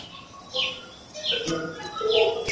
শুধু আমাকে একটু সময় দাও।